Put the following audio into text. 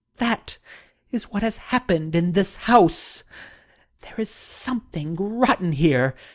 That is what has happen< in this house. There is something rotten here.